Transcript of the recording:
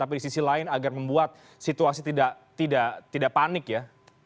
tapi di sisi lain agar membuat situasi tidak panik ya